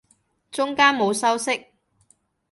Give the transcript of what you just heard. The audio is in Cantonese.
中間冇修飾